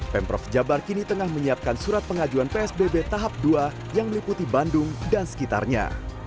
pemprov jabar kini tengah menyiapkan surat pengajuan psbb tahap dua yang meliputi bandung dan sekitarnya